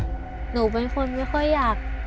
หนูเป็นคนไม่ค่อยอยาก